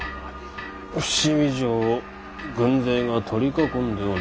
伏見城を軍勢が取り囲んでおります。